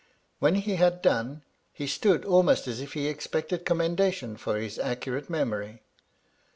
When he had done, he stood almost as if he ex pected commendation for his accurate memory.